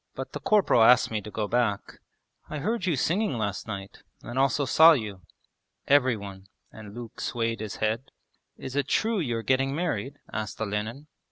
'But the corporal asked me to go back.' 'I heard you singing last night, and also saw you.' 'Every one...' and Luke swayed his head. 'Is it true you are getting married?' asked Olenin.